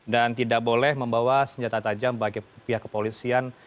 dan tidak boleh membawa senjata tajam bagi pihak kepolisian